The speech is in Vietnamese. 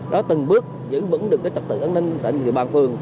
đó từng bước giữ vững được cái trật tự an ninh trật tự bàn phường